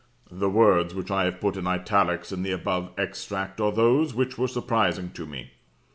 "The words which I have put in italics in the above extract are those which were surprising to me.